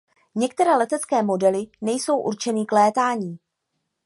Některé letecké modely nejsou určeny k létání.